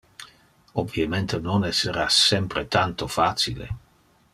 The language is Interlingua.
Obviemente non essera sempre tanto facile.